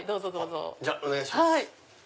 じゃあお願いします。